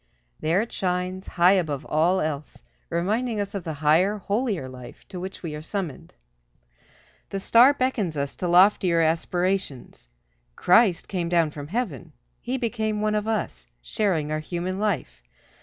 There it shines, high above all else, reminding us of the higher, holier life to which we are summoned. The star beckons us to loftier aspirations. Christ came down from heaven. He became one of us, sharing our human life.